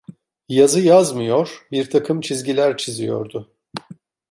Yazı yazmıyor, birtakım çizgiler çiziyordu.